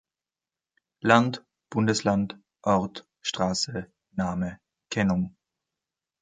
"Land - Bundesland - Ort - Straße - Name - Kennung".